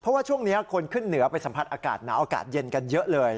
เพราะว่าช่วงนี้คนขึ้นเหนือไปสัมผัสอากาศหนาวอากาศเย็นกันเยอะเลย